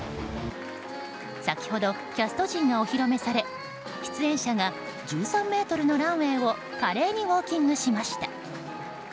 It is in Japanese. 先ほどキャスト陣がお披露目され出演者が、１３ｍのランウェーを華麗にウォーキングしました。